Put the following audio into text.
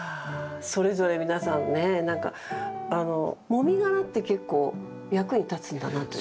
それぞれ皆さんね何かあのもみ殻って結構役に立つんだなって。